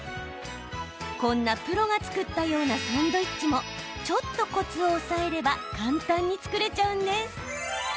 こんなプロが作ったようなサンドイッチもちょっとコツを押さえれば簡単に作れちゃうんです。